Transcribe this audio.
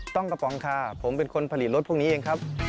ต้องกระป๋องคาผมเป็นคนผลิตรถพวกนี้เองครับ